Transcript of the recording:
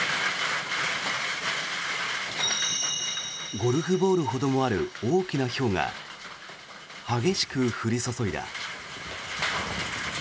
ゴルフボールほどもある大きなひょうが激しく降り注いだ。